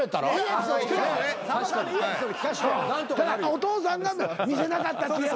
お父さんが見せなかったっていうことやから。